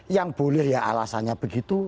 yang boleh ya alasannya begitu